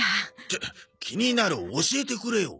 ちょ気になる教えてくれよ。